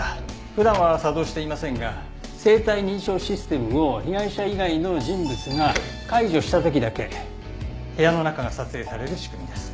普段は作動していませんが生体認証システムを被害者以外の人物が解除した時だけ部屋の中が撮影される仕組みです。